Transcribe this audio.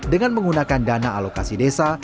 dengan menggunakan dana alokasi desa